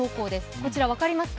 こちら分かりますか？